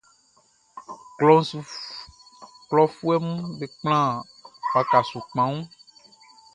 Klɔfuɛʼm be kplan waka su kpanwun.